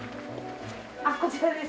あっこちらです。